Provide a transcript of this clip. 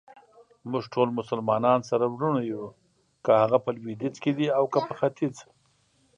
موږټول مسلمانان سره وروڼه يو ،که هغه په لويديځ کې دي اوکه په ختیځ.